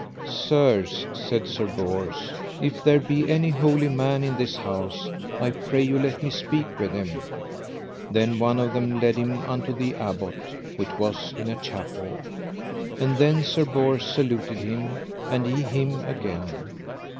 Sirs, said Sir Bors, if there be any holy man in this house I pray you let me speak with him. Then one of them led him unto the Abbot, which was in a chapel. And then Sir Bors saluted him, and he him again.